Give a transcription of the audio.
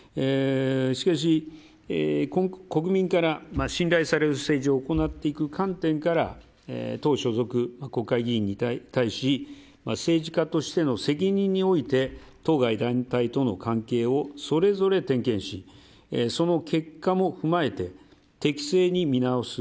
しかし国民から信頼される政治を行っていく観点から党所属国会議員に対し政治家としての責任において当該団体との関係をそれぞれ点検しその結果も踏まえて適正に見直す